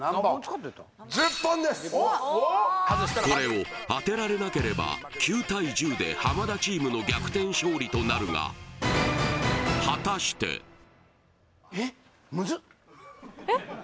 これを当てられなければ９対１０で浜田チームの逆転勝利となるが果たしてムズッ！